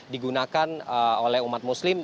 digunakan oleh umat muslim